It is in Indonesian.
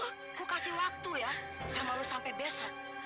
gue kasih waktu ya sama lo sampai besok